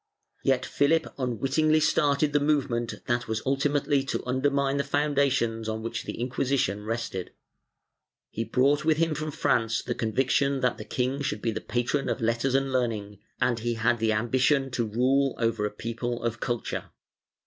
Yet Philip unwittingly started the movement that was ulti mately to undermine the foundations on which the Inquisition rested. He brought with him from France the conviction that the king should be the patron of letters and learning, and he had the ambition to rule over a people of culture.